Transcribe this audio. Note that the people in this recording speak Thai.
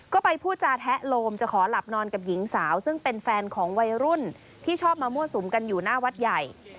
ก็ไปพูดจาแทะโลมจะขอหลับนอนกับหญิงสาวซึ่งเป็นแฟนของวัยรุ่นที่ชอบมามั่วสุมกันอยู่หน้าวัดใหญ่